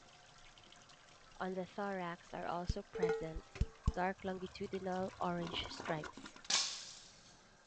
On the thorax are also present dark longitudinal orange stripes.